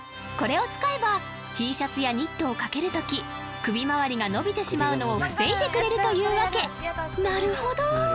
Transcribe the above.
これを使えばＴシャツやニットを掛けるとき首まわりが伸びてしまうのを防いでくれるというわけなるほど！